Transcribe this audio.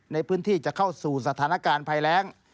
ในพื้นที่จะเข้าสู่สถานการณ์ภัยแรง